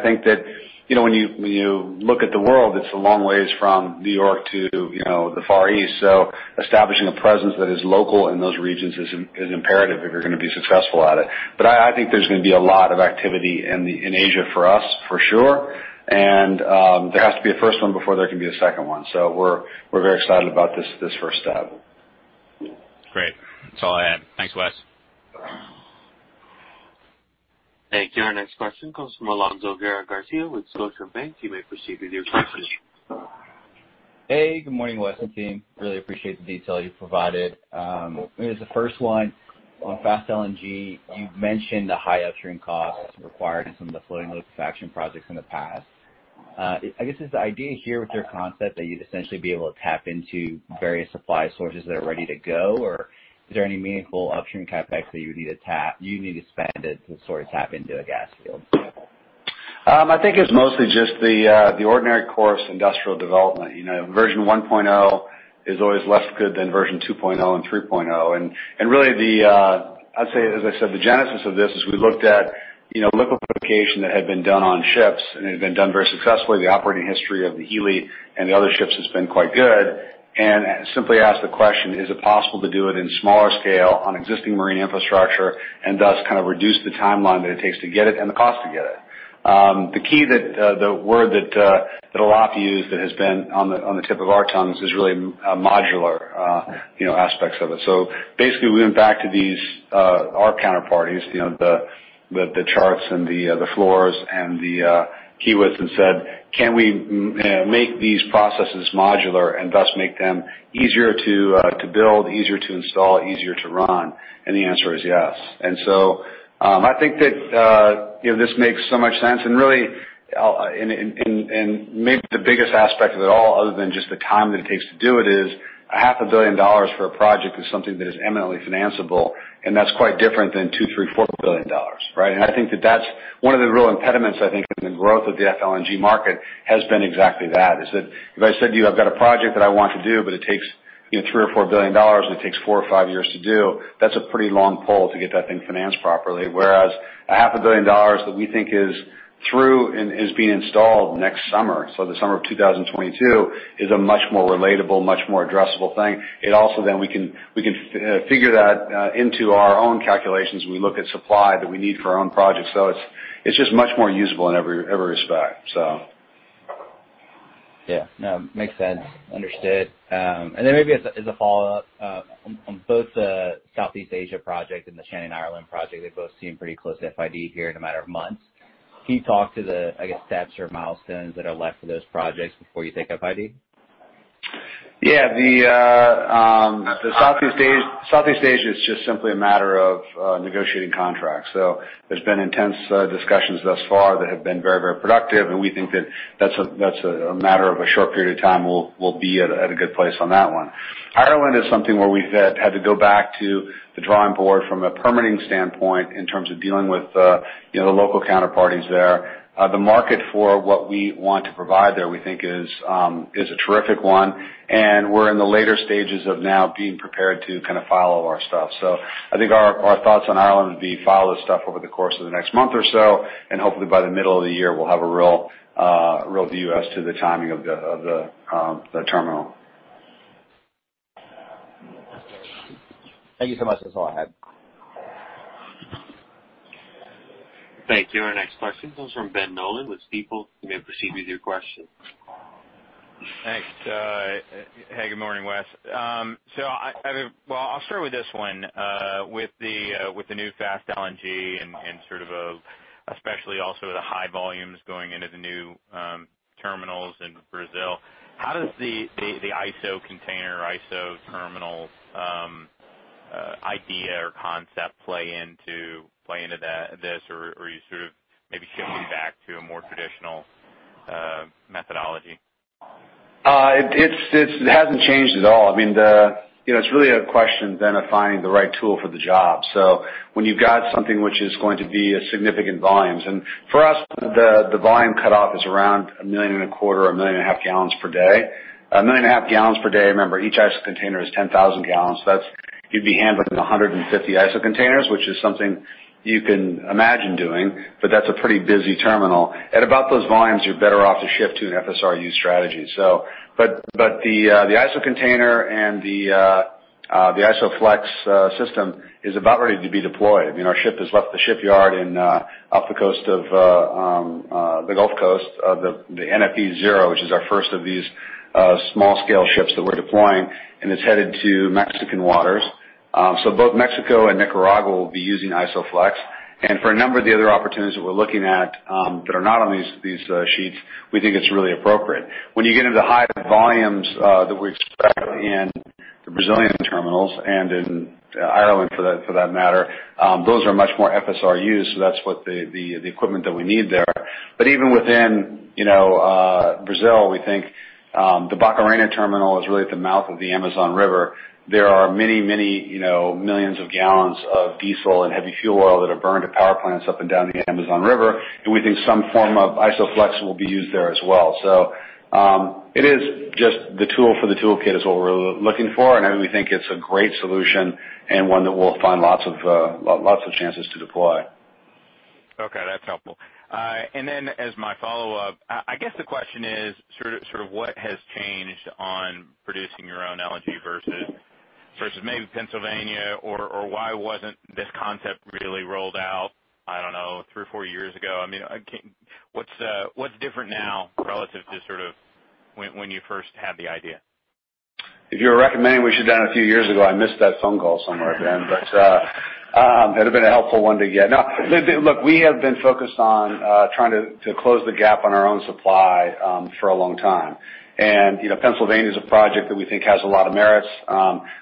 think that when you look at the world, it's a long ways from New York to the Far East. So, establishing a presence that is local in those regions is imperative if you're going to be successful at it. But I think there's going to be a lot of activity in Asia for us, for sure. And there has to be a first one before there can be a second one. So, we're very excited about this first step. Great. That's all I had. Thanks, Wes. Thank you. Our next question comes from Alonso Guerra-Garcia with Scotiabank. You may proceed with your question. Hey, good morning, Wes and team. Really appreciate the detail you provided. It is the first one. On Fast LNG, you mentioned the high upstream costs required in some of the floating liquefaction projects in the past. I guess is the idea here with your concept that you'd essentially be able to tap into various supply sources that are ready to go, or is there any meaningful upstream CapEx that you need to spend to sort of tap into a gas field? I think it's mostly just the ordinary course industrial development. Version 1.0 is always less good than version 2.0 and 3.0. And really, I'd say, as I said, the genesis of this is we looked at liquefaction that had been done on ships, and it had been done very successfully. The operating history of the Hilli and the other ships has been quite good. And simply asked the question, Is it possible to do it in smaller scale on existing marine infrastructure and thus kind of reduce the timeline that it takes to get it and the cost to get it? The key word that a lot of you use that has been on the tip of our tongues is really modular aspects of it. So, basically, we went back to our counterparties, the Charts and the Fluors and the Kiewits and said, can we make these processes modular and thus make them easier to build, easier to install, easier to run? And the answer is yes. And so, I think that this makes so much sense. And really, and maybe the biggest aspect of it all, other than just the time that it takes to do it, is $500 million for a project is something that is eminently financeable. And that's quite different than $2-$4 billion, right? I think that that's one of the real impediments, I think, in the growth of the FLNG market has been exactly that, is that if I said to you, I've got a project that I want to do, but it takes $3-$4 billion and it takes 4-5 years to do, that's a pretty long pole to get that thing financed properly. Whereas $500 million that we think is through and is being installed next summer, so the summer of 2022, is a much more relatable, much more addressable thing. It also then we can figure that into our own calculations when we look at supply that we need for our own projects. So, it's just much more usable in every respect, so. Yeah. No, makes sense. Understood. And then maybe as a follow-up, on both the Southeast Asia project and the Shannon Ireland project, they've both seen pretty close FID here in a matter of months. Can you talk to the, I guess, steps or milestones that are left for those projects before you take FID? Yeah. The Southeast Asia is just simply a matter of negotiating contracts. So, there's been intense discussions thus far that have been very, very productive. And we think that that's a matter of a short period of time we'll be at a good place on that one. Ireland is something where we've had to go back to the drawing board from a permitting standpoint in terms of dealing with the local counterparties there. The market for what we want to provide there, we think, is a terrific one. And we're in the later stages of now being prepared to kind of file all our stuff. So, I think our thoughts on Ireland would be file this stuff over the course of the next month or so. And hopefully, by the middle of the year, we'll have a real view as to the timing of the terminal. Thank you so much. That's all I had. Thank you. Our next question comes from Ben Nolan with Stifel. He may proceed with your question. Thanks. Hey, good morning, Wes. So, well, I'll start with this one. With the new Fast LNG and sort of especially also with the high volumes going into the new terminals in Brazil, how does the ISO container, ISO terminal idea or concept play into this, or are you sort of maybe shifting back to a more traditional methodology? It hasn't changed at all. I mean, it's really a question then of finding the right tool for the job. So, when you've got something which is going to be a significant volume, and for us, the volume cutoff is around a million and a quarter, a million and a half gallons per day. A million and a half gallons per day, remember, each ISO container is 10,000 gallons. You'd be handling 150 ISO containers, which is something you can imagine doing, but that's a pretty busy terminal. At about those volumes, you're better off to shift to an FSRU strategy. So, but the ISO container and the ISOFlex system is about ready to be deployed. I mean, our ship has left the shipyard off the coast of the Gulf Coast, the NFE Zero, which is our first of these small-scale ships that we're deploying. And it's headed to Mexican waters. So, both Mexico and Nicaragua will be using ISOFlex. And for a number of the other opportunities that we're looking at that are not on these sheets, we think it's really appropriate. When you get into the high volumes that we expect in the Brazilian terminals and in Ireland, for that matter, those are much more FSRUs. So, that's what the equipment that we need there. But even within Brazil, we think the Barcarena terminal is really at the mouth of the Amazon River. There are many, many millions of gallons of diesel and heavy fuel oil that are burned at power plants up and down the Amazon River. And we think some form of ISOFlex will be used there as well. So, it is just the tool for the toolkit is what we're looking for. We think it's a great solution and one that we'll find lots of chances to deploy. Okay. That's helpful and then, as my follow-up, I guess the question is sort of what has changed on producing your own LNG versus maybe Pennsylvania, or why wasn't this concept really rolled out, I don't know, three or four years ago? I mean, what's different now relative to sort of when you first had the idea? If you were recommending we should have done it a few years ago, I missed that phone call somewhere, then. But it would have been a helpful one to get. No, look, we have been focused on trying to close the gap on our own supply for a long time. Pennsylvania is a project that we think has a lot of merits.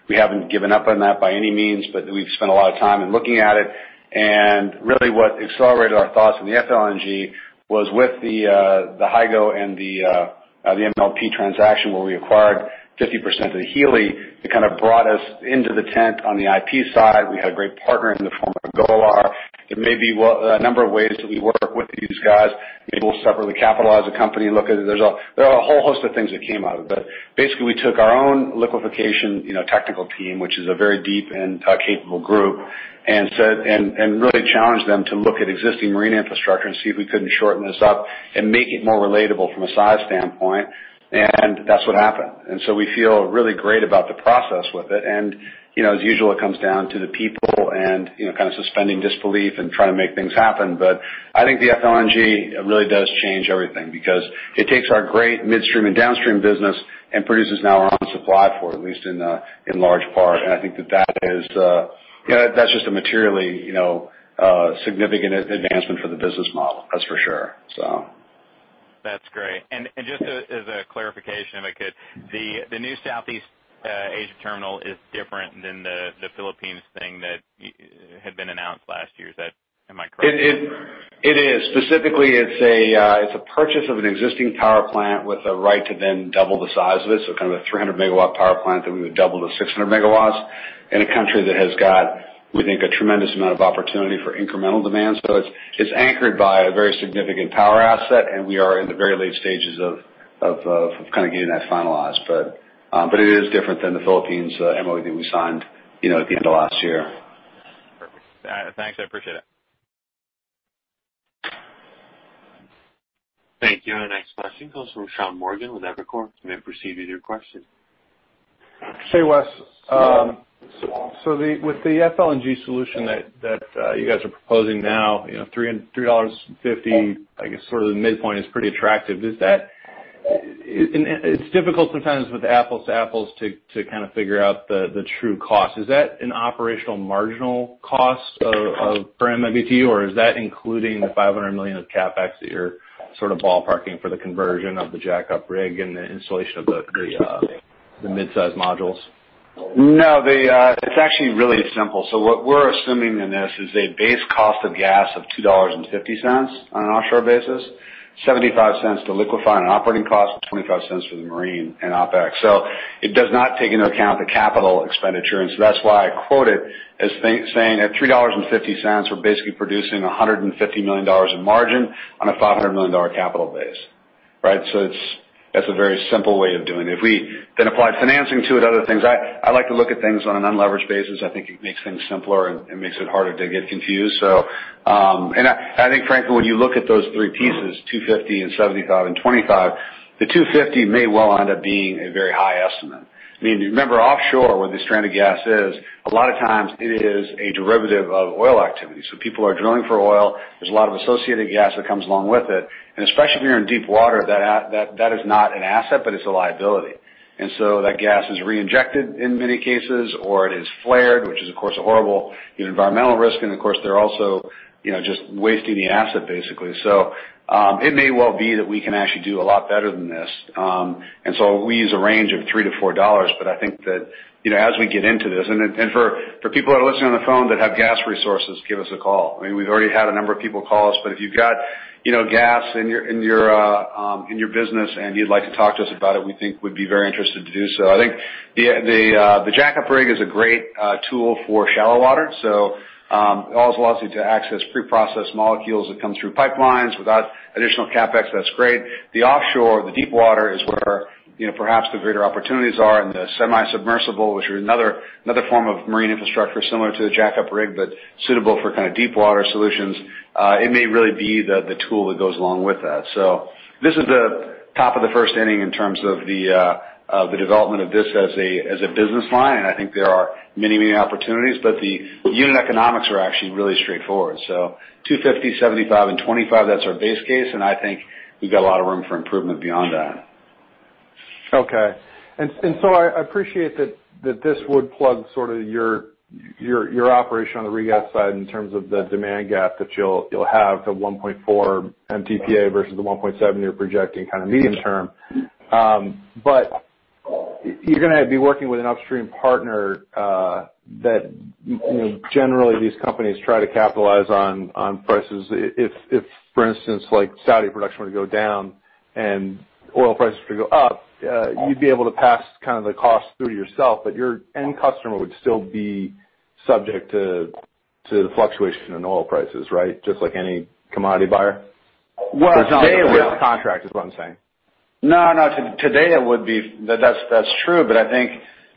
We haven't given up on that by any means, but we've spent a lot of time in looking at it. Really, what accelerated our thoughts in the FLNG was with the Hygo and the MLP transaction where we acquired 50% of the Hilli Episeyo. It kind of brought us into the tent on the IP side. We had a great partner in the form of Golar. There may be a number of ways that we work with these guys. Maybe we'll separately capitalize a company and look at it. There are a whole host of things that came out of it, but basically, we took our own liquefaction technical team, which is a very deep and capable group, and really challenged them to look at existing marine infrastructure and see if we couldn't shorten this up and make it more relatable from a size standpoint, and that's what happened, and so, we feel really great about the process with it, and as usual, it comes down to the people and kind of suspending disbelief and trying to make things happen, but I think the FLNG really does change everything because it takes our great midstream and downstream business and produces now our own supply for it, at least in large part. I think that is just a materially significant advancement for the business model. That's for sure, so. That's great. And just as a clarification, if I could, the new Southeast Asia terminal is different than the Philippines thing that had been announced last year. Am I correct? It is. Specifically, it's a purchase of an existing power plant with a right to then double the size of it. So, kind of a 300-MW power plant that we would double to 600 MW in a country that has got, we think, a tremendous amount of opportunity for incremental demand. So, it's anchored by a very significant power asset. And we are in the very late stages of kind of getting that finalized. But it is different than the Philippines MOU that we signed at the end of last year. Perfect. Thanks. I appreciate it. Thank you. Our next question comes from Sean Morgan with Evercore. He may proceed with your question. Hey, Wes. So, with the FLNG solution that you guys are proposing now, $3.50, I guess sort of the midpoint is pretty attractive. It's difficult sometimes with apples to apples to kind of figure out the true cost. Is that an operational marginal cost for MMBtu, or is that including the $500 million of CapEx that you're sort of ballparking for the conversion of the jack-up rig and the installation of the mid-size modules? No, it's actually really simple. So, what we're assuming in this is a base cost of gas of $2.50 on an offshore basis, $0.75 to liquefy, an operating cost, $0.25 for the marine and OpEx. So, it does not take into account the capital expenditure. And so, that's why I quote it as saying at $3.50, we're basically producing $150 million in margin on a $500 million capital base, right? So, that's a very simple way of doing it. If we then apply financing to it, other things, I like to look at things on an unleveraged basis. I think it makes things simpler and makes it harder to get confused. So, and I think, frankly, when you look at those three pieces, 250 and 75 and 25, the 250 may well end up being a very high estimate. I mean, remember offshore where the stranded gas is, a lot of times it is a derivative of oil activity. So, people are drilling for oil. There's a lot of associated gas that comes along with it. And especially if you're in deep water, that is not an asset, but it's a liability. And so, that gas is reinjected in many cases, or it is flared, which is, of course, a horrible environmental risk. And of course, they're also just wasting the asset, basically. So, it may well be that we can actually do a lot better than this. And so, we use a range of $3-$4. But I think that as we get into this, and for people that are listening on the phone that have gas resources, give us a call. I mean, we've already had a number of people call us. But if you've got gas in your business and you'd like to talk to us about it, we think we'd be very interested to do so. I think the jack-up rig is a great tool for shallow water. So, it allows you to access pre-processed molecules that come through pipelines without additional CapEx. That's great. The offshore, the deep water is where perhaps the greater opportunities are. And the semi-submersible, which is another form of marine infrastructure similar to the jack-up rig, but suitable for kind of deep water solutions, it may really be the tool that goes along with that. So, this is the top of the first inning in terms of the development of this as a business line. And I think there are many, many opportunities. But the unit economics are actually really straightforward. So, 250, 75, and 25, that's our base case. I think we've got a lot of room for improvement beyond that. Okay. And so, I appreciate that this would plug sort of your operation on the re-gas side in terms of the demand gap that you'll have to 1.4 MTPA versus the 1.7 you're projecting kind of medium term. But you're going to be working with an upstream partner that generally these companies try to capitalize on prices. If, for instance, Saudi production were to go down and oil prices were to go up, you'd be able to pass kind of the cost through to yourself. But your end customer would still be subject to the fluctuation in oil prices, right? Just like any commodity buyer. Well. There's not a risk. Contract is what I'm saying. No, no. Today, it would be, that's true. But I think,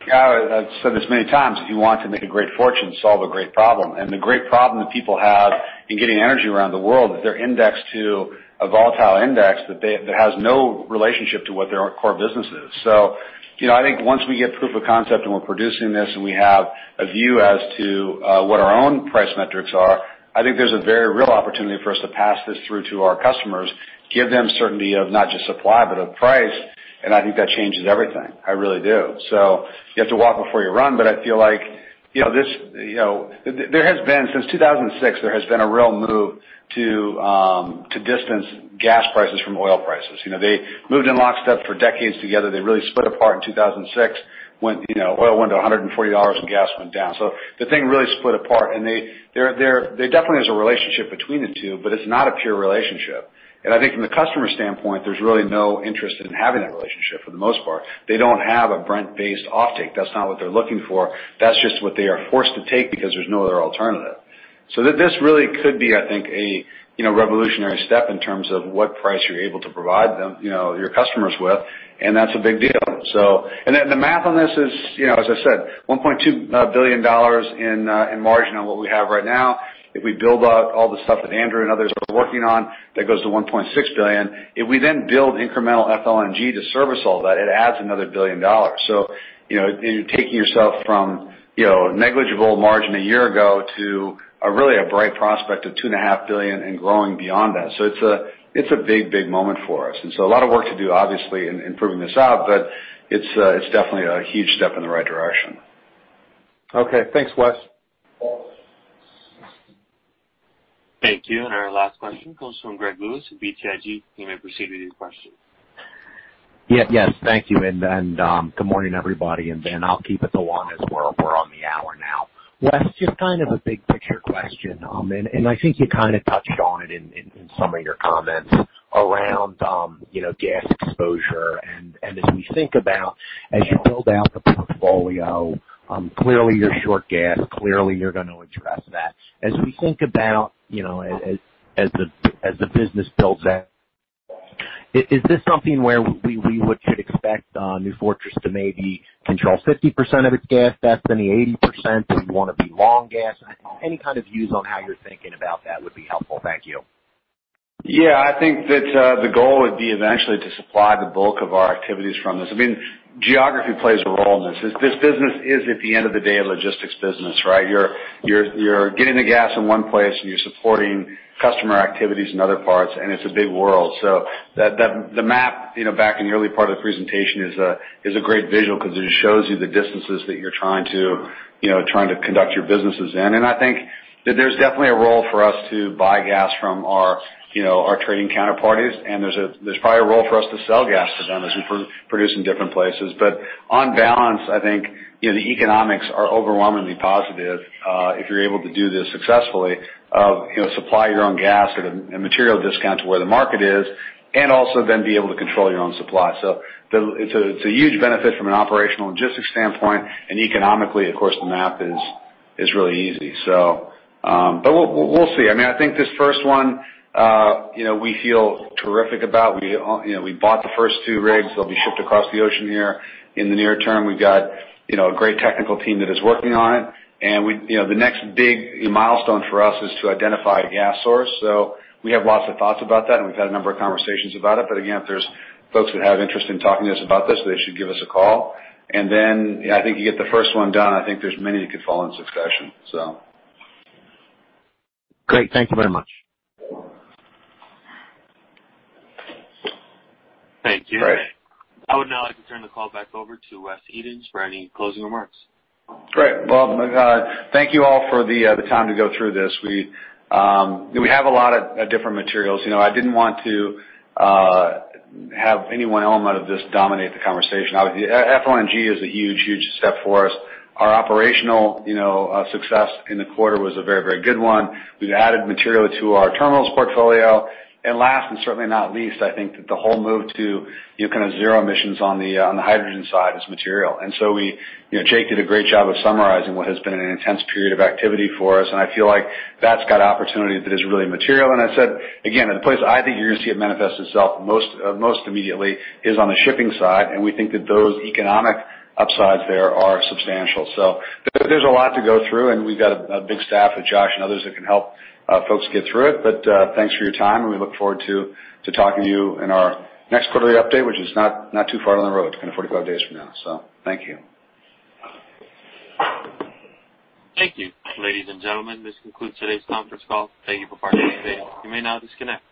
as I've said this many times, if you want to make a great fortune, solve a great problem. And the great problem that people have in getting energy around the world is they're indexed to a volatile index that has no relationship to what their core business is. So, I think once we get proof of concept and we're producing this and we have a view as to what our own price metrics are, I think there's a very real opportunity for us to pass this through to our customers, give them certainty of not just supply, but of price. And I think that changes everything. I really do. So, you have to walk before you run. But I feel like there has been, since 2006, there has been a real move to distance gas prices from oil prices. They moved in lockstep for decades together. They really split apart in 2006 when oil went to $140 and gas went down. So, the thing really split apart. And there definitely is a relationship between the two, but it's not a pure relationship. And I think from the customer standpoint, there's really no interest in having that relationship for the most part. They don't have a Brent-based offtake. That's not what they're looking for. That's just what they are forced to take because there's no other alternative. So, this really could be, I think, a revolutionary step in terms of what price you're able to provide your customers with. And that's a big deal. So, and the math on this is, as I said, $1.2 billion in margin on what we have right now. If we build out all the stuff that Andrew and others are working on, that goes to $1.6 billion. If we then build incremental FLNG to service all that, it adds another $1 billion. So, you're taking yourself from negligible margin a year ago to really a bright prospect of $2.5 billion and growing beyond that. So, it's a big, big moment for us. And so, a lot of work to do, obviously, in proving this out. But it's definitely a huge step in the right direction. Okay. Thanks, Wes. Thank you. And our last question comes from Greg Lewis at BTIG. He may proceed with his question. Yes. Thank you, and good morning, everybody. I'll keep it to one as we're on the hour now. Wes, just kind of a big picture question. I think you kind of touched on it in some of your comments around gas exposure. As we think about, as you build out the portfolio, clearly you're short gas. Clearly, you're going to address that. As we think about, as the business builds out, is this something where we should expect New Fortress to maybe control 50% of its gas? That's 80%? Do we want to be long gas? Any kind of views on how you're thinking about that would be helpful. Thank you. Yeah. I think that the goal would be eventually to supply the bulk of our activities from this. I mean, geography plays a role in this. This business is, at the end of the day, a logistics business, right? You're getting the gas in one place, and you're supporting customer activities in other parts. And it's a big world. So, the map back in the early part of the presentation is a great visual because it just shows you the distances that you're trying to conduct your businesses in. And I think that there's definitely a role for us to buy gas from our trading counterparties. And there's probably a role for us to sell gas to them as we produce in different places. But on balance, I think the economics are overwhelmingly positive if you're able to do this successfully to supply your own gas at a material discount to where the market is, and also then be able to control your own supply. So, it's a huge benefit from an operational logistics standpoint. And economically, of course, the math is really easy. So, but we'll see. I mean, I think this first one, we feel terrific about. We bought the first two rigs. They'll be shipped across the ocean here in the near term. We've got a great technical team that is working on it. And the next big milestone for us is to identify a gas source. So, we have lots of thoughts about that. And we've had a number of conversations about it. but again, if there's folks that have interest in talking to us about this, they should give us a call, and then, yeah, I think you get the first one done. I think there's many that could fall in succession, so. Great. Thank you very much. Thank you. Great. I would now like to turn the call back over to Wes Edens for any closing remarks. Great. Well, thank you all for the time to go through this. We have a lot of different materials. I didn't want to have any one element of this dominate the conversation. FLNG is a huge, huge step for us. Our operational success in the quarter was a very, very good one. We've added material to our terminals portfolio, and last, and certainly not least, I think that the whole move to kind of zero emissions on the hydrogen side is material, and so Jake did a great job of summarizing what has been an intense period of activity for us. I feel like that's got opportunity that is really material. I said, again, the place I think you're going to see it manifest itself most immediately is on the shipping side, and we think that those economic upsides there are substantial. So, there's a lot to go through. And we've got a big staff with Josh and others that can help folks get through it. But thanks for your time. And we look forward to talking to you in our next quarterly update, which is not too far down the road, kind of 45 days from now. So, thank you. Thank you, ladies and gentlemen. This concludes today's conference call. Thank you for participating. You may now disconnect.